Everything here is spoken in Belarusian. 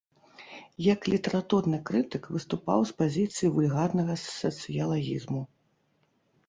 Як літаратурны крытык выступаў з пазіцый вульгарнага сацыялагізму.